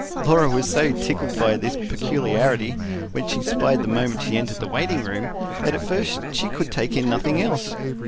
Laura was so tickled by this peculiarity, which she spied the moment she entered the waiting room, that at first she could take in nothing else.